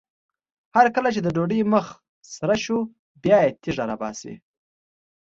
هر کله چې د ډوډۍ مخ سره شو بیا یې تیږه راباسي.